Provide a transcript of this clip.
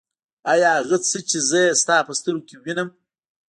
آيا هغه څه چې زه يې ستا په سترګو کې وينم.